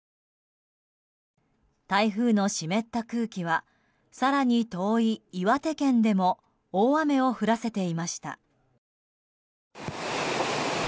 台風の湿った空気は更に遠い岩手県でも大雨を降らせていました。